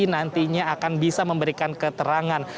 nantinya akan bisa memberikan keterangan